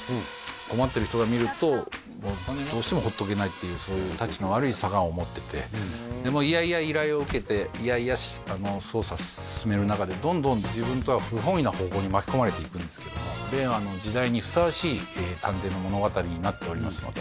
困ってる人を見るとどうしても放っておけないっていうそういうたちの悪い性を持っててでも嫌々依頼を受けて嫌々捜査進める中でどんどん自分とは不本意な方向に巻き込まれていくんですけども令和の時代にふさわしい探偵の物語になっておりますので